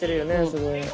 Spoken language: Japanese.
すごい。